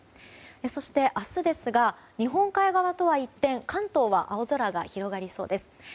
そして、明日ですが日本海側とは一転関東は青空が広がりそうです。